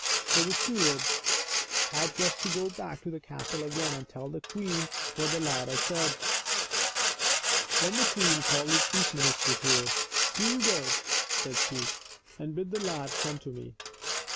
*' So the steward had just to go back to the castle again and tell the queen what the lad had said. Then the queen called her chief minister to her. " Do you go,'* said she, " and bid the lad come to me."